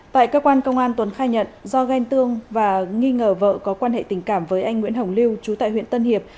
tại cơ quan công an tuấn khai nhận do ghen tương và nghi ngờ vợ có quan hệ tình cảm với anh nguyễn hồng lưu trú tại huyện tân hiệp